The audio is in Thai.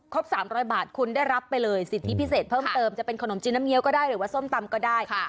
๓๐๐บาทคุณได้รับไปเลยสิทธิพิเศษเพิ่มเติมจะเป็นขนมจีนน้ำเงี้ยก็ได้หรือว่าส้มตำก็ได้